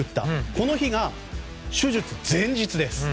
この日が手術前日です。